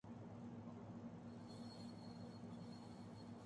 پاکستان میں بہت سے ذرائع ابلاغ موجود ہیں